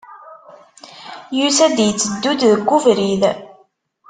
Yusa-d, yetteddu-d deg webrid.